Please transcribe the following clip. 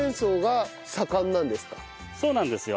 そうなんですよ。